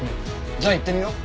じゃあ行ってみよう。